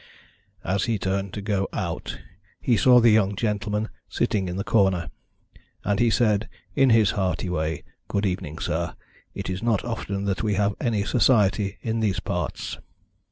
As he turned to go out he saw the young gentleman sitting in the corner, and he said, in his hearty way: 'Good evening, sir; it is not often that we have any society in these parts.'